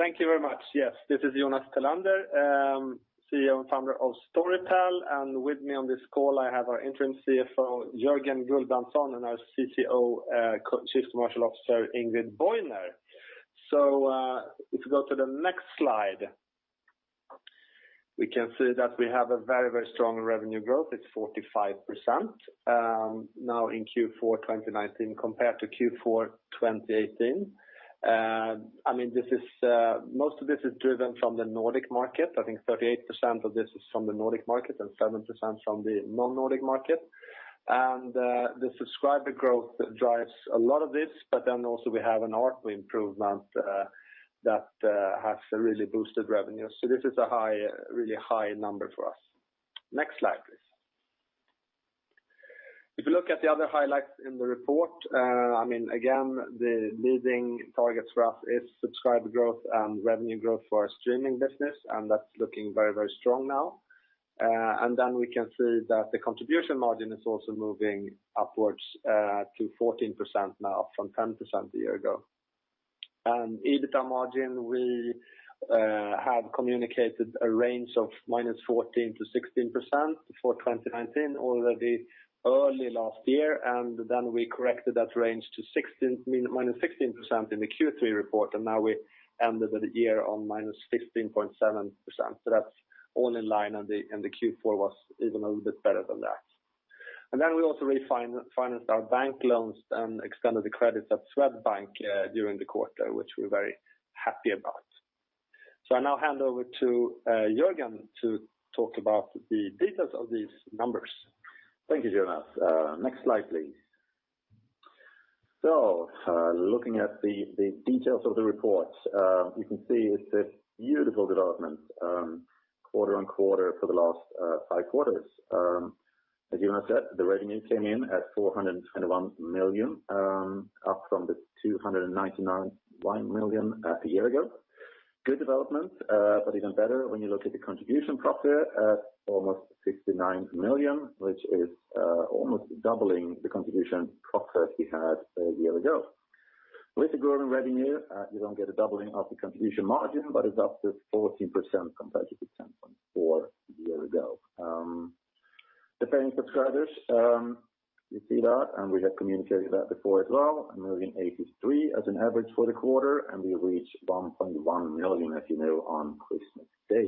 Thank you very much. Yes, this is Jonas Tellander, CEO and Founder of Storytel. With me on this call, I have our Interim CFO, Jörgen Gullbrandson, and our CCO, Chief Commercial Officer, Ingrid Bojner. If you go to the next slide, we can see that we have a very strong revenue growth. It's 45% now in Q4 2019 compared to Q4 2018. Most of this is driven from the Nordic market. I think 38% of this is from the Nordic market and 7% from the non-Nordic market. The subscriber growth drives a lot of this, but then also we have an ARPU improvement that has really boosted revenue. This is a really high number for us. Next slide, please. If you look at the other highlights in the report, again, the leading targets for us is subscriber growth and revenue growth for our streaming business, and that's looking very strong now. Then we can see that the contribution margin is also moving upwards to 14% now from 10% a year ago. EBITDA margin, we have communicated a range of -14% to 16% for 2019 already early last year, then we corrected that range to -16% in the Q3 report, now we ended the year on -15.7%. That's all in line, and the Q4 was even a little bit better than that. Then we also refinanced our bank loans and extended the credits at Swedbank during the quarter, which we're very happy about. I now hand over to Jörgen to talk about the details of these numbers. Thank you, Jonas. Next slide, please. Looking at the details of the report, you can see it's a beautiful development quarter-on-quarter for the last five quarters. As Jonas said, the revenue came in at 421 million, up from the 299 million a year ago. Good development, even better when you look at the contribution profit at almost 69 million, which is almost doubling the contribution profit we had a year ago. With the growing revenue, you don't get a doubling of the contribution margin, it's up to 14% compared to 10.4% a year ago. The paying subscribers, you see that, we have communicated that before as well, moving 1.083 million as an average for the quarter, we reach 1.1 million, as you know, on Christmas Day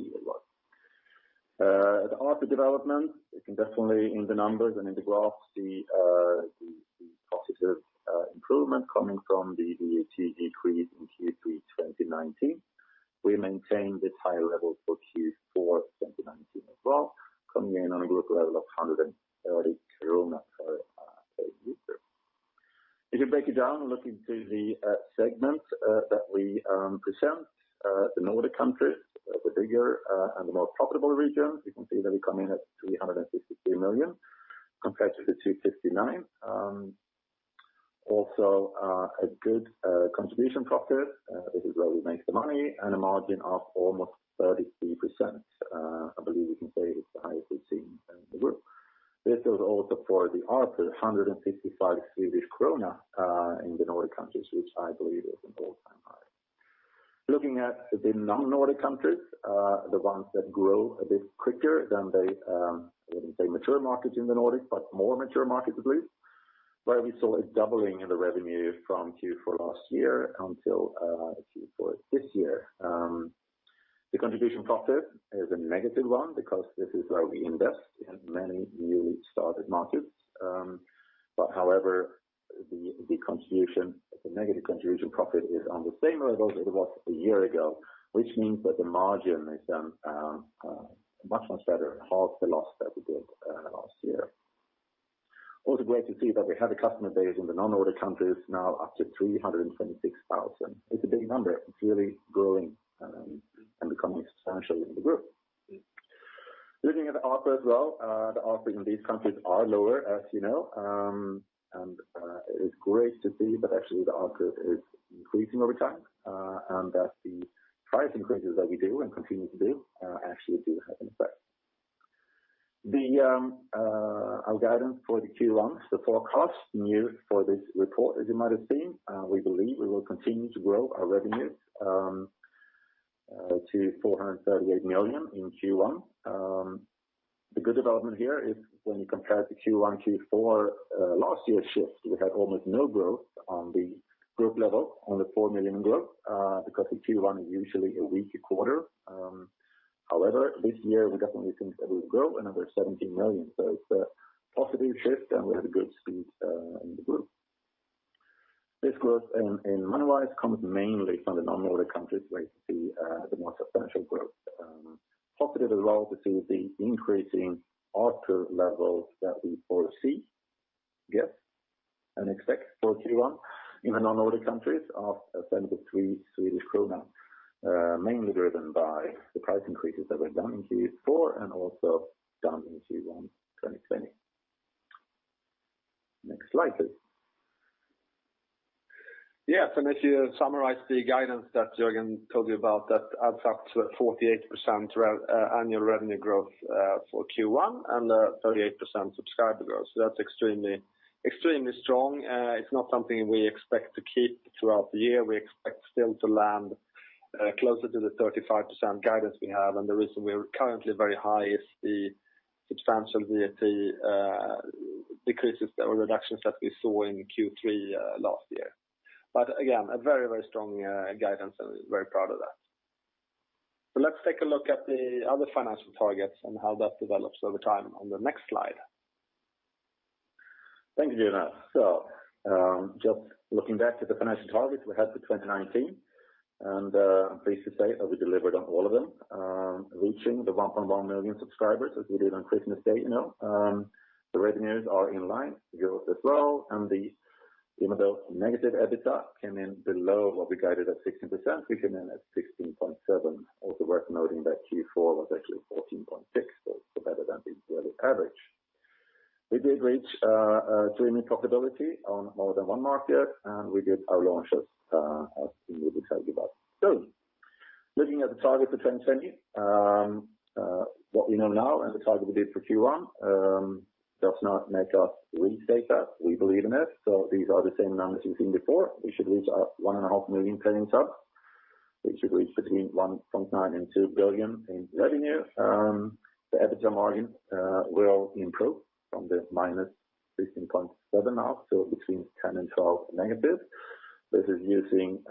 as well. At ARPU development, you can definitely in the numbers and in the graphs see the positive improvement coming from the decrease in Q3 2019. We maintained this high level for Q4 2019 as well, coming in on a group level of 130 per user. If you break it down, looking to the segments that we present, the Nordic countries are the bigger and the more profitable regions. You can see that we come in at 352 million compared to 259 million. Also a good contribution profit. This is where we make the money and a margin of almost 33%. I believe we can say it's the highest we've seen in the group. This was also for the ARPU, 155 Swedish krona in the Nordic countries, which I believe is important by far. Looking at the non-Nordic countries, the ones that grow a bit quicker than the, I wouldn't say mature markets in the Nordic, but more mature markets at least, where we saw a doubling in the revenue from Q4 last year until Q4 this year. The contribution profit is a negative one because this is where we invest in many newly started markets. However, the negative contribution profit is on the same level as it was a year ago, which means that the margin is much, much better, half the loss that we did last year. Great to see that we have a customer base in the non-Nordic countries now up to 326,000. It's a big number. It's really growing and becoming substantial in the group. Looking at ARPU as well, the ARPUs in these countries are lower, as you know. It is great to see that actually the ARPU is increasing over time, and that the price increases that we do and continue to do actually do have an effect. Our guidance for the Q1, the forecast, new for this report, as you might have seen. We believe we will continue to grow our revenues to 438 million in Q1. The good development here is when you compare the Q1 to Q4 last year's shift, we had almost no growth on the group level, only 4 million growth, because the Q1 is usually a weaker quarter. This year we definitely think that we'll grow another 17 million. It's a positive shift, and we have a good speed in the group. This growth in money-wise comes mainly from the non-Nordic countries where you see the more substantial growth. Positive as well to see the increasing ARPU levels that we foresee and expect for Q1 in the non-Nordic countries of 73 Swedish kronor. Mainly driven by the price increases that were done in Q4 and also done in Q1 2020. Next slide, please. Yes, if you summarize the guidance that Jörgen told you about, that adds up to a 48% annual revenue growth for Q1 and a 38% subscriber growth. That's extremely strong. It's not something we expect to keep throughout the year. We expect still to land closer to the 35% guidance we have. The reason we are currently very high is the substantial VAT decreases or reductions that we saw in Q3 last year. Again, a very strong guidance, and very proud of that. Let's take a look at the other financial targets and how that develops over time on the next slide. Thank you, Jonas. Just looking back at the financial targets we had for 2019, and I'm pleased to say that we delivered on all of them, reaching the 1.1 million subscribers as we did on Christmas Day. The revenues are in line growth as well. Even though negative EBITDA came in below what we guided at 16%, we came in at 16.7%. Also worth noting that Q4 was actually 14.6%, so better than the yearly average. We did reach streaming profitability on more than one market, and we did our launches as we will tell you about soon. Looking at the target for 2020. What we know now and the target we did for Q1, does not make us restate that we believe in it. These are the same numbers you've seen before. We should reach our one and a half million paying subs. We should reach between 1.9 billion and 2 billion in revenue. The EBITDA margin will improve from the -15.7% now, so between -10% and -12%. This is using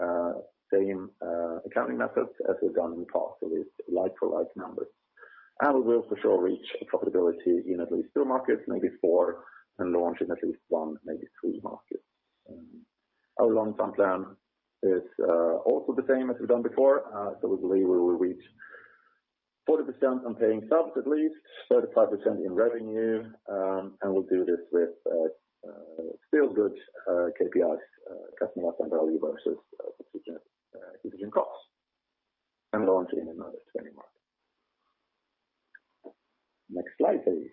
same accounting methods as we've done in the past. It's like for like numbers. We will for sure reach profitability in at least two markets, maybe four, and launch in at least one, maybe three markets. Our long-term plan is also the same as we've done before. We believe we will reach 40% on paying subs at least, 35% in revenue. We'll do this with still good KPIs, customer value versus acquisition costs, and launch in another 20 markets. Next slide, please.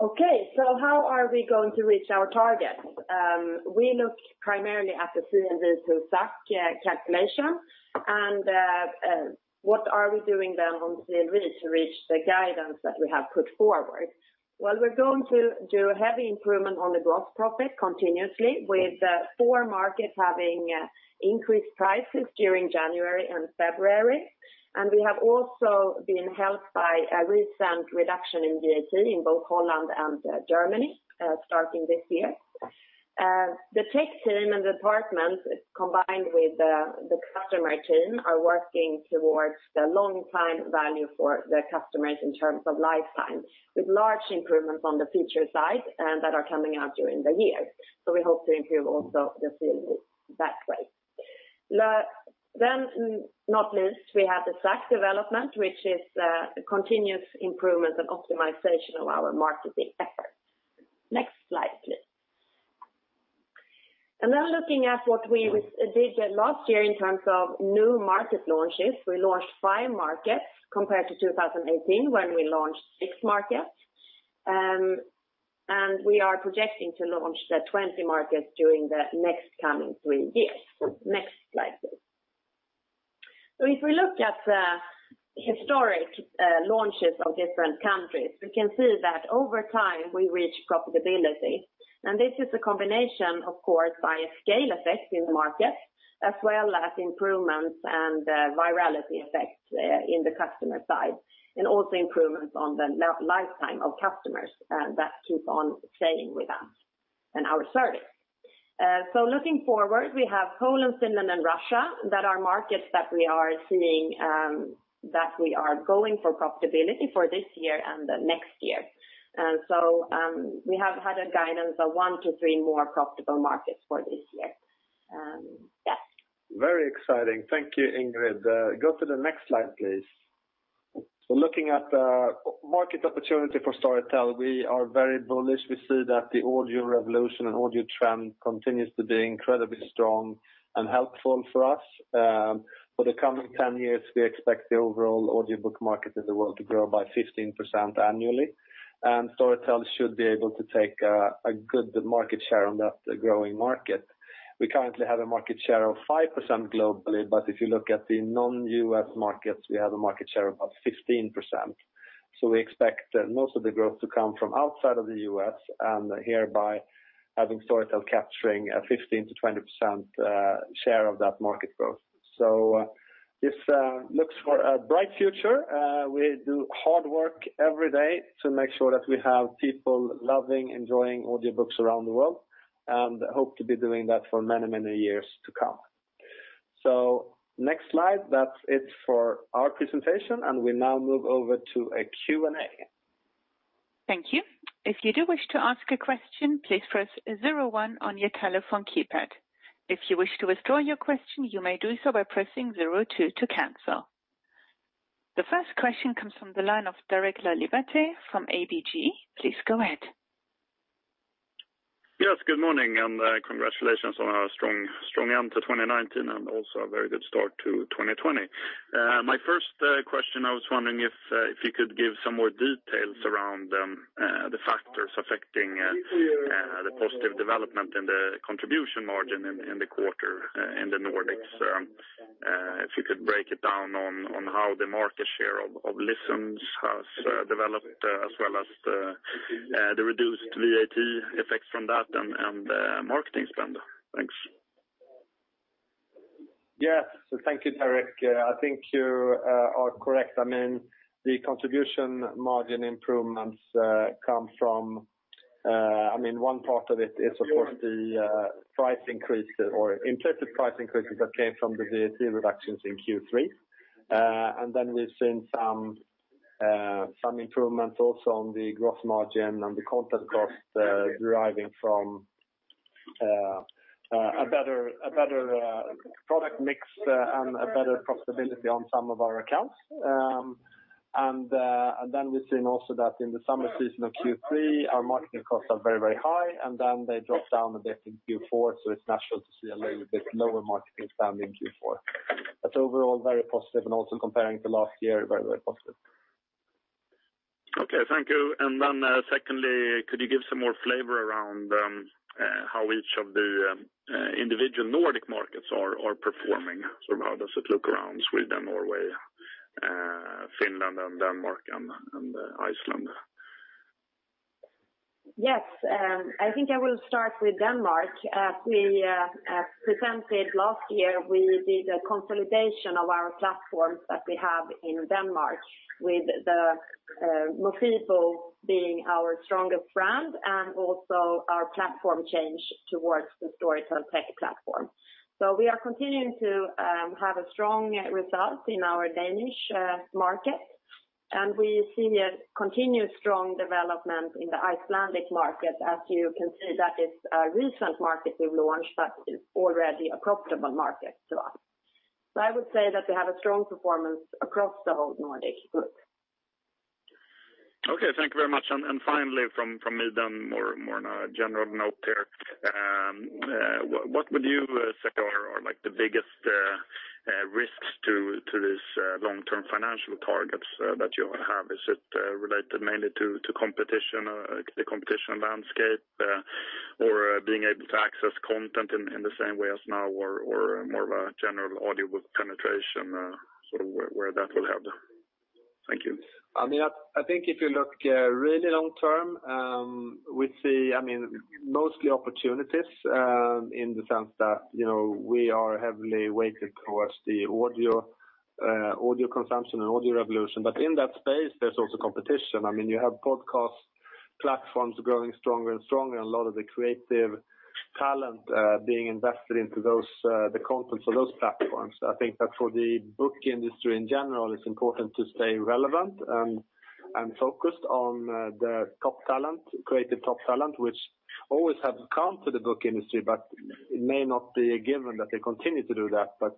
Okay. How are we going to reach our targets? We look primarily at the CLV/SAC calculation. What are we doing then on the reach to reach the guidance that we have put forward? We're going to do a heavy improvement on the gross profit continuously with four markets having increased prices during January and February. We have also been helped by a recent reduction in VAT in both Holland and Germany, starting this year. The tech team and department, combined with the customer team, are working towards the long-term value for the customers in terms of lifetime, with large improvements on the feature side that are coming out during the year. We hope to improve also the CLV that way. Not least, we have the [SAC] development, which is a continuous improvement and optimization of our marketing efforts. Next slide, please. Looking at what we did last year in terms of new market launches, we launched five markets compared to 2018 when we launched six markets. We are projecting to launch 20 markets during the next coming three years. Next slide, please. If we look at the historic launches of different countries, we can see that over time we reach profitability. This is a combination, of course, by a scale effect in the market, as well as improvements and virality effects in the customer side, and also improvements on the lifetime of customers that keep on staying with us and our service. Looking forward, we have Poland, Finland, and Russia that are markets that we are seeing that we are going for profitability for this year and the next year. We have had a guidance of one to three more profitable markets for this year. Yes. Very exciting. Thank you, Ingrid. Go to the next slide, please. Looking at the market opportunity for Storytel, we are very bullish. We see that the audio revolution and audio trend continues to be incredibly strong and helpful for us. For the coming 10 years, we expect the overall audiobook market in the world to grow by 15% annually. Storytel should be able to take a good market share on that growing market. We currently have a market share of 5% globally, if you look at the non-U.S. markets, we have a market share of about 15%. We expect most of the growth to come from outside of the U.S. and hereby having Storytel capturing a 15%-20% share of that market growth. This looks for a bright future. We do hard work every day to make sure that we have people loving, enjoying audiobooks around the world, and hope to be doing that for many years to come. Next slide. That's it for our presentation, and we now move over to a Q&A. Thank you. If you do wish to ask a question, please press zero one on your telephone keypad. If you wish to withdraw your question, you may do so by pressing zero two to cancel. The first question comes from the line of Derek Laliberte from ABG. Please go ahead. Yes, good morning and congratulations on a strong end to 2019 and also a very good start to 2020. My first question, I was wondering if you could give some more details around the factors affecting the positive development in the contribution margin in the quarter in the Nordics. If you could break it down on how the market share of listens has developed as well as the reduced VAT effects from that and the marketing spend? Thanks. Yes. Thank you, Derek. I think you are correct. The contribution margin improvements come from one part of it is, of course, the price increases or implicit price increases that came from the VAT reductions in Q3. We've seen some improvements also on the gross margin and the content cost deriving from a better product mix and a better profitability on some of our accounts. We've seen also that in the summer season of Q3, our marketing costs are very high, and then they drop down a bit in Q4, so it's natural to see a little bit lower marketing spend in Q4. Overall, very positive, and also comparing to last year, very positive. Okay. Thank you. Secondly, could you give some more flavor around how each of the individual Nordic markets are performing? How does it look around Sweden, Norway, Finland, Denmark, and Iceland? Yes. I think I will start with Denmark. As we presented last year, we did a consolidation of our platforms that we have in Denmark, with Mofibo being our strongest brand, and also our platform change towards the Storytel tech platform. We are continuing to have a strong result in our Danish market, and we see a continued strong development in the Icelandic market. As you can see, that is a recent market we've launched that is already a profitable market to us. I would say that we have a strong performance across the whole Nordic group. Okay, thank you very much. Finally from me, more on a general note there. What would you say are the biggest risks to these long-term financial targets that you have? Is it related mainly to the competition landscape, or being able to access content in the same way as now, or more of a general audiobook penetration, sort of where that will help? Thank you. I think if you look really long term, we see mostly opportunities in the sense that we are heavily weighted towards the audio consumption and audio revolution. In that space, there's also competition. You have podcast platforms growing stronger and stronger, and a lot of the creative talent being invested into the content for those platforms. I think that for the book industry in general, it's important to stay relevant and focused on the creative top talent, which always have come to the book industry, but it may not be a given that they continue to do that, but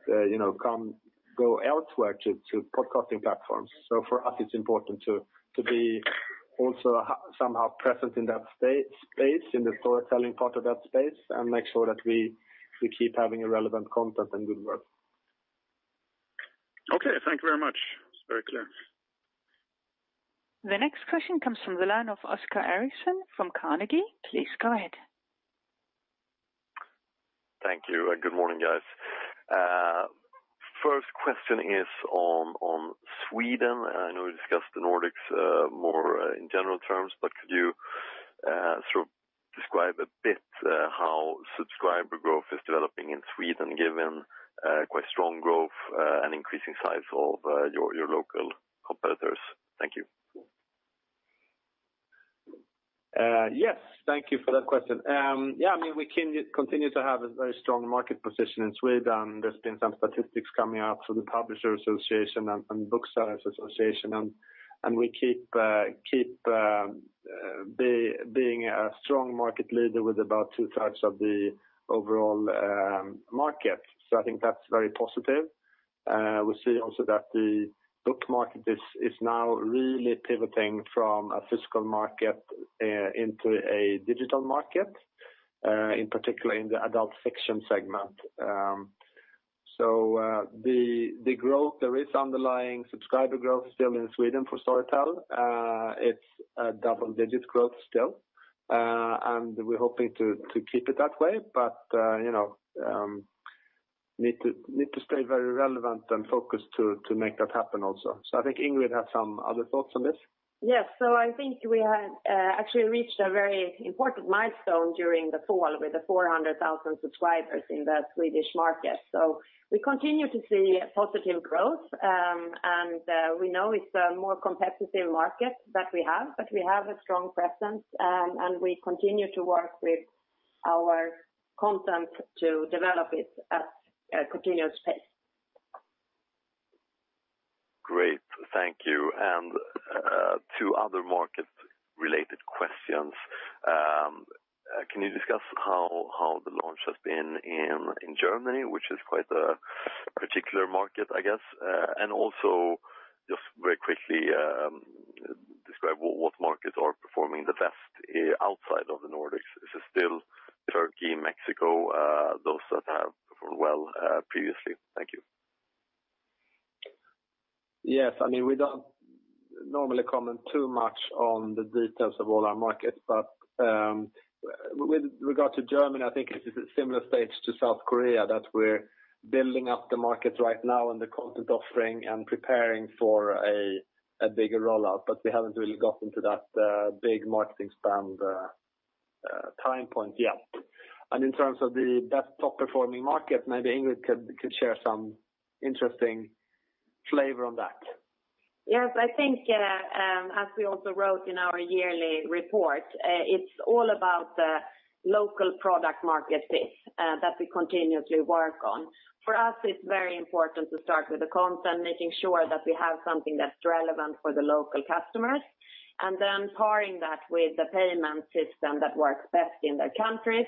go elsewhere to podcasting platforms. For us, it's important to be also somehow present in that space, in the storytelling part of that space, and make sure that we keep having relevant content and good work. Okay, thank you very much. It is very clear. The next question comes from the line of Oskar Erixon from Carnegie. Please go ahead. Thank you. Good morning, guys. First question is on Sweden. I know we discussed the Nordics more in general terms, but could you describe a bit how subscriber growth is developing in Sweden, given quite strong growth and increasing size of your local competitors? Thank you. Yes. Thank you for that question. We continue to have a very strong market position in Sweden. There's been some statistics coming out from the Publishers Association and from Booksellers Association, and we keep being a strong market leader with about two-thirds of the overall market. I think that's very positive. We see also that the book market is now really pivoting from a physical market into a digital market, in particular in the adult fiction segment. The growth, there is underlying subscriber growth still in Sweden for Storytel. It's a double-digit growth still, and we're hoping to keep it that way, but need to stay very relevant and focused to make that happen also. I think Ingrid has some other thoughts on this. Yes. I think we have actually reached a very important milestone during the fall with the 400,000 subscribers in the Swedish market. We continue to see positive growth, and we know it's a more competitive market that we have, but we have a strong presence, and we continue to work with our content to develop it at a continuous pace. Great. Thank you. Two other market-related questions. Can you discuss how the launch has been in Germany, which is quite a particular market, I guess? Also, just very quickly, describe what markets are performing the best outside of the Nordics. Is it still Turkey, Mexico, those that have performed well previously? Thank you. We don't normally comment too much on the details of all our markets. With regard to Germany, I think it's a similar stage to South Korea, that we're building up the market right now and the content offering and preparing for a bigger rollout, but we haven't really gotten to that big marketing spend point. In terms of the best top-performing market, maybe Ingrid could share some interesting flavor on that. Yes, I think as we also wrote in our yearly report, it's all about the local product market fit that we continuously work on. For us, it's very important to start with the content, making sure that we have something that's relevant for the local customers, and then pairing that with the payment system that works best in their countries.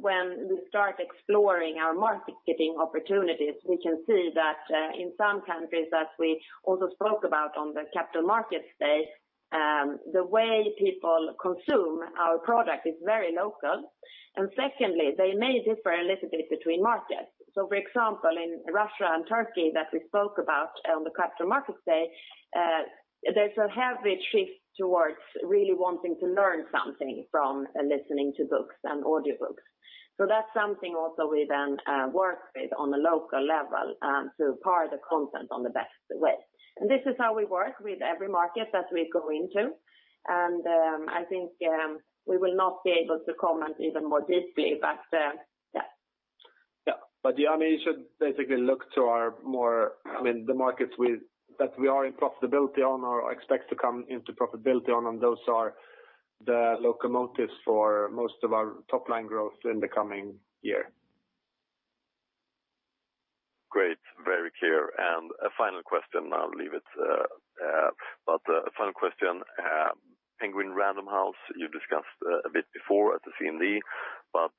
When we start exploring our marketing opportunities, we can see that in some countries, as we also spoke about on the Capital Markets Day, the way people consume our product is very local. Secondly, they may differ a little bit between markets. For example, in Russia and Turkey that we spoke about on the Capital Markets Day, there's a heavy shift towards really wanting to learn something from listening to books and audiobooks. That's something also we then work with on the local level to pair the content on the best way. This is how we work with every market that we go into, and I think we will not be able to comment even more deeply, but yes. You should basically look to our more, the markets that we are in profitability on or expect to come into profitability on, and those are the locomotives for most of our top-line growth in the coming year. Great. Very clear. A final question, and I'll leave it. A final question. Penguin Random House, you discussed a bit before at the CMD, but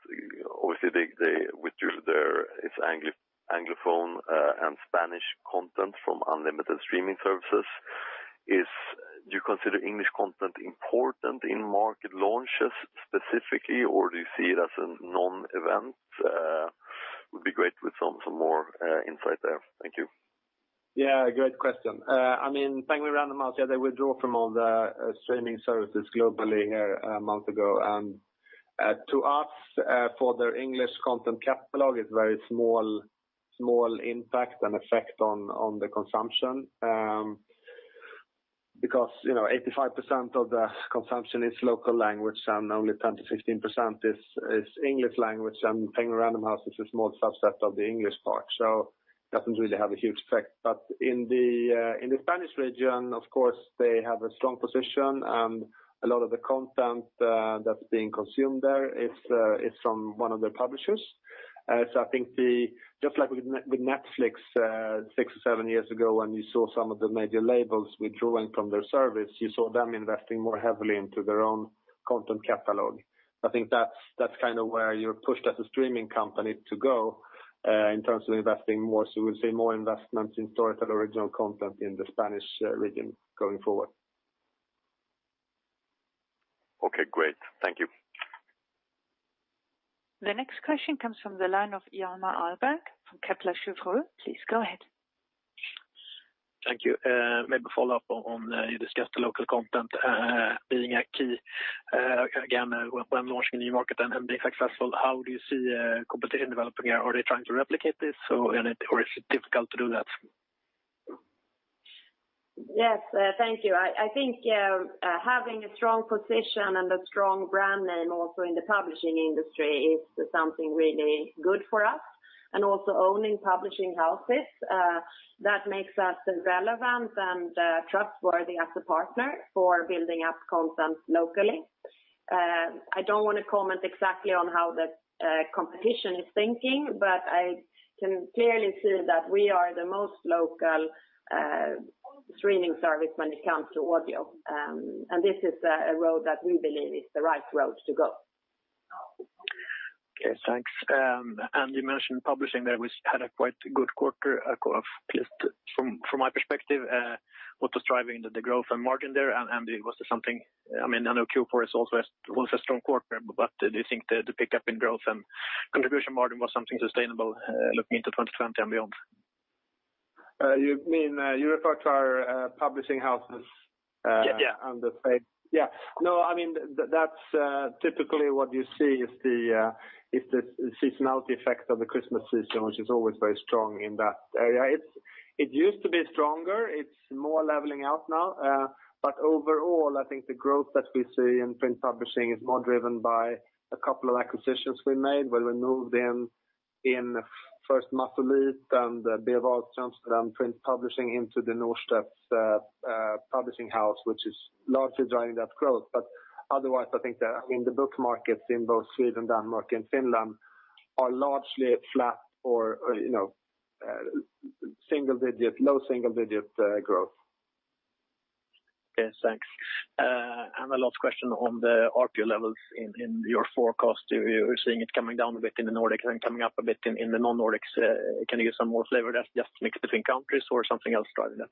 obviously withdrew their Anglophone and Spanish content from unlimited streaming services. Do you consider English content important in market launches specifically, or do you see it as a non-event? Would be great with some more insight there. Thank you. Yeah. Great question. Penguin Random House, they withdraw from all the streaming services globally here a month ago. To us, for their English content catalog, it's very small impact and effect on the consumption. 85% of the consumption is local language, and only 10%-15% is English language. Penguin Random House is a small subset of the English part, so doesn't really have a huge effect. In the Spanish region, of course, they have a strong position, and a lot of the content that's being consumed there is from one of their publishers. I think just like with Netflix six or seven years ago, when you saw some of the major labels withdrawing from their service, you saw them investing more heavily into their own content catalog. I think that's where you're pushed as a streaming company to go in terms of investing more. We'll see more investments in Storytel originals content in the Spanish region going forward. Okay, great. Thank you. The next question comes from the line of Hjalmar Ahlberg from Kepler Cheuvreux. Please go ahead. Thank you. Maybe a follow-up on, you discussed the local content being a key again when launching a new market and being successful, how do you see competition developing here? Are they trying to replicate this or is it difficult to do that? Yes. Thank you. I think having a strong position and a strong brand name also in the publishing industry is something really good for us. Also owning publishing houses, that makes us relevant and trustworthy as a partner for building up content locally. I don't want to comment exactly on how the competition is thinking, but I can clearly see that we are the most local streaming service when it comes to audio. This is a road that we believe is the right road to go. Okay, thanks. You mentioned publishing there, which had a quite good quarter, at least from my perspective. What was driving the growth and margin there? Was there something, I know Q4 is also a strong quarter, but do you think the pickup in growth and contribution margin was something sustainable looking into 2020 and beyond? You refer to our publishing houses. Yeah No, that's typically what you see is the seasonality effect of the Christmas season, which is always very strong in that area. It used to be stronger. It's more leveling out now. Overall, I think the growth that we see in print publishing is more driven by a couple of acquisitions we made when we moved in first Massolit and B. Wahlströms then Printz Publishing into the Norstedts publishing house, which is largely driving that growth. Otherwise, I think that in the book markets in both Sweden, Denmark, and Finland are largely flat or low single-digit growth. Okay, thanks. A last question on the ARPU levels in your forecast. You're seeing it coming down a bit in the Nordics and coming up a bit in the non-Nordics. Can you give some more flavor? That is just mix between countries or something else driving that?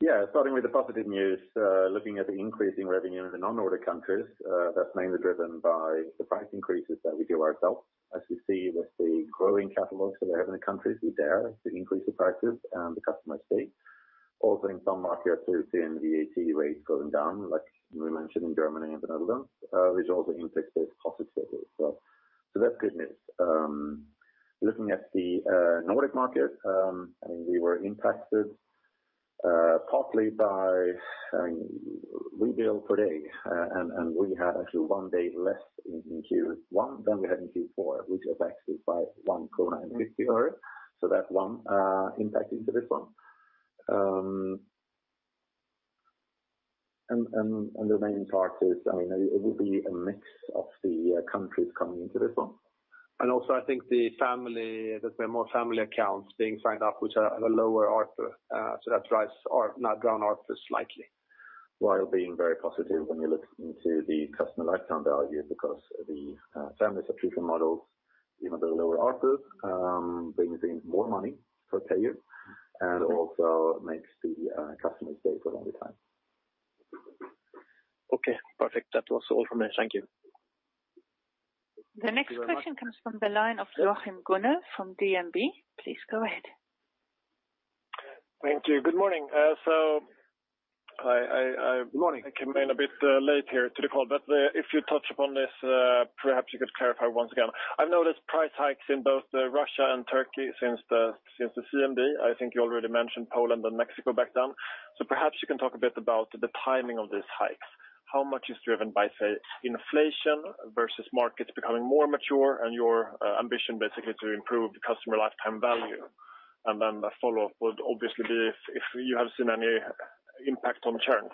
Yeah. Starting with the positive news, looking at the increase in revenue in the non-Nordic countries, that's mainly driven by the price increases that we give ourselves. As you see with the growing catalogs that we have in the countries, we dare to increase the prices, and the customers stay. In some markets, we've seen the VAT rates going down, like we mentioned in Germany and the Netherlands, which also impacts this positive story. That's good news. Looking at the Nordic market, we were impacted partly by billed per day. We had actually one day less in Q1 than we had in Q4, which affects it by [1.49]. That's one impact into this one. The main part is, it will be a mix of the countries coming into this one. Also I think there's been more family accounts being signed up, which have a lower ARPU. That drives down ARPU slightly. While being very positive when you look into the Customer Lifetime Value because the family subscription models, even though lower ARPU, brings in more money per payer and also makes the customer stay for a longer time. Okay, perfect. That was all from me. Thank you. The next question comes from the line of Joachim Gunell from DNB. Please go ahead. Thank you. Good morning. Good morning. I came in a bit late here to the call. If you touch upon this, perhaps you could clarify once again. I've noticed price hikes in both Russia and Turkey since the CMD. I think you already mentioned Poland and Mexico back down. Perhaps you can talk a bit about the timing of this hike. How much is driven by, say, inflation versus markets becoming more mature and your ambition basically to improve Customer Lifetime Value? Then the follow-up would obviously be if you have seen any impact on churn.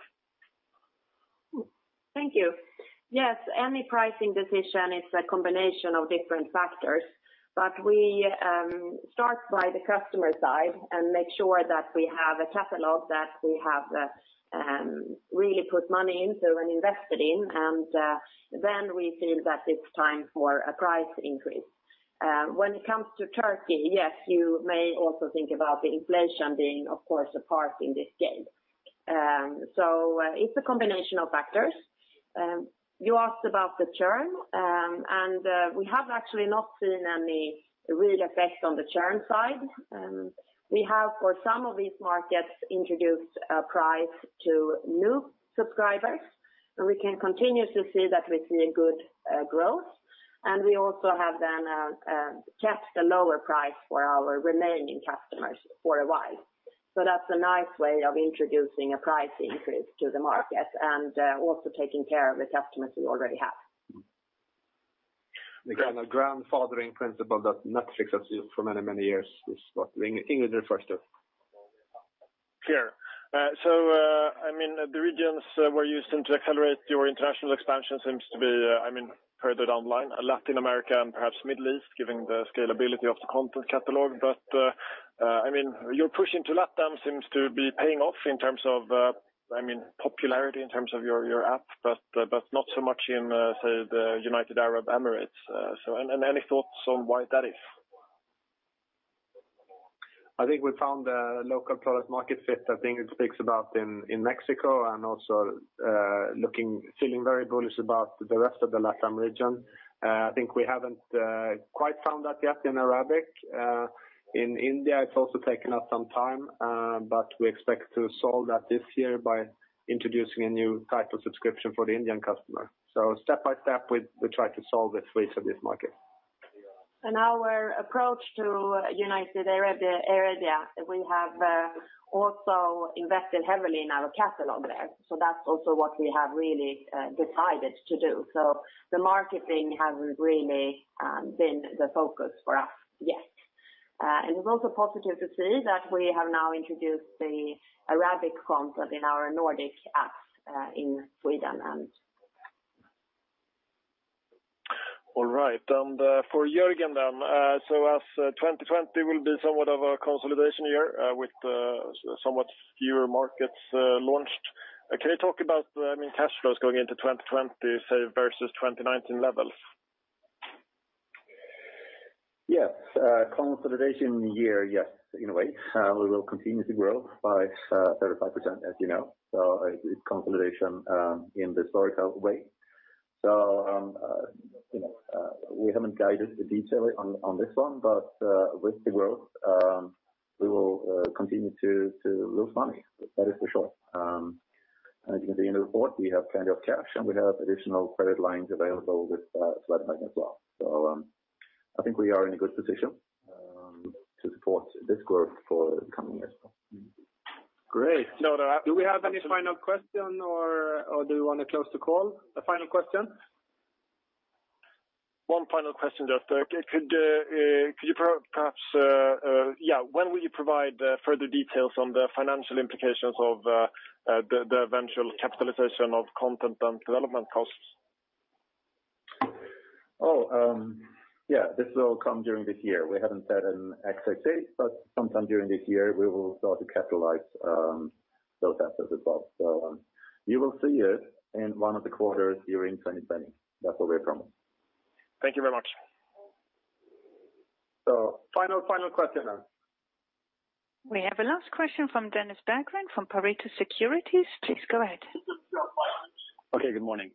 Thank you. Yes. Any pricing decision is a combination of different factors. We start by the customer side and make sure that we have a catalog that we have really put money into and invested in, and then we feel that it's time for a price increase. When it comes to Turkey, yes, you may also think about the inflation being, of course, a part in this game. It's a combination of factors. You asked about the churn. We have actually not seen any real effect on the churn side. We have, for some of these markets, introduced a price to new subscribers. We can continue to see that we see a good growth. We also have then kept a lower price for our remaining customers for a while. That's a nice way of introducing a price increase to the market and also taking care of the customers we already have. Again, a grandfathering principle that Netflix has used for many, many years is what Ingrid refers to. Clear. The regions where you seem to accelerate your international expansion seems to be, I mean, further down the line, Latin America and perhaps Middle East, given the scalability of the content catalog. Your push into LATAM seems to be paying off in terms of popularity in terms of your app, but not so much in, say, the United Arab Emirates. Any thoughts on why that is? I think we found a local product market fit. I think it speaks about in Mexico and also feeling very bullish about the rest of the LATAM region. I think we haven't quite found that yet in Arabic. In India, it's also taken us some time, but we expect to solve that this year by introducing a new type of subscription for the Indian customer. Step by step, we try to solve this for each of these markets. Our approach to United Arab Emirates, we have also invested heavily in our catalog there. That's also what we have really decided to do. The marketing hasn't really been the focus for us yet. It is also positive to see that we have now introduced the Arabic content in our Nordic apps in Sweden and. All right, for Jörgen then, as 2020 will be somewhat of a consolidation year with somewhat fewer markets launched, can you talk about, I mean, cash flows going into 2020, say, versus 2019 levels? Yes. Consolidation year, yes, in a way. We will continue to grow by 35%, as you know. It's consolidation in the Storytel way. We haven't guided the detail on this one, but with the growth, we will continue to lose money, that is for sure. As you can see in the report, we have plenty of cash, and we have additional credit lines available with Swedbank as well. I think we are in a good position to support this growth for the coming years. Great. No, do we have any final question or do you want to close the call? A final question? One final question, just could you perhaps, when will you provide further details on the financial implications of the eventual capitalization of content and development costs? Yeah, this will come during the year. We haven't set an exact date, but sometime during this year, we will start to capitalize those assets as well. You will see it in one of the quarters during 2020. That's where we're coming. Thank you very much. Final question then. We have a last question from Dennis Berggren from Pareto Securities. Please go ahead. Okay, good morning.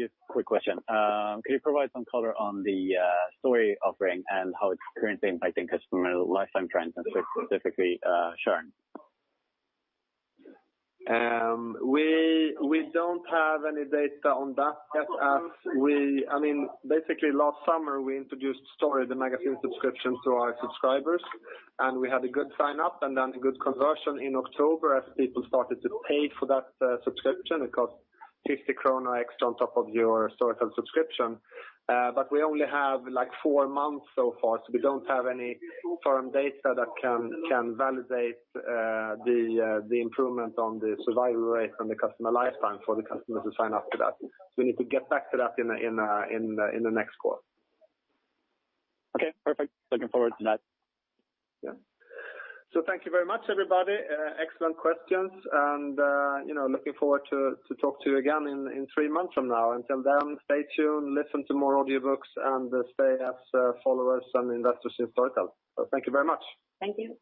Just a quick question. Can you provide some color on the Storytel offering and how it's currently impacting customer lifetime trends and specifically churn? We don't have any data on that yet. I mean, basically last summer we introduced Storytel, the magazine subscription to our subscribers, and we had a good sign-up and then a good conversion in October as people started to pay for that subscription. It cost 50 krona extra on top of your Storytel subscription. We only have four months so far, so we don't have any firm data that can validate the improvement on the survival rate from the customer lifetime for the customers who sign up for that. We need to get back to that in the next call. Okay, perfect. Looking forward to that. Yeah. Thank you very much, everybody. Excellent questions and looking forward to talk to you again in three months from now. Until then, stay tuned, listen to more audiobooks, and stay as followers and investors in Storytel. Thank you very much. Thank you.